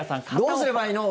どうすればいいの？